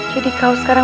jadi kau sekarang